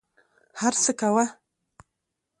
هر څه کوه.